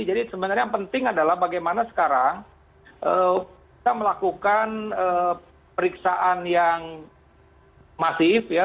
sebenarnya yang penting adalah bagaimana sekarang kita melakukan periksaan yang masif ya